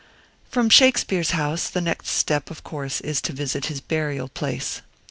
From Shakespeare's house, the next step, of course, is to visit his burial place.